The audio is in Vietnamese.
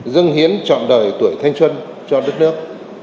dân hiến trọn đời tuổi thanh xuân cho đất nước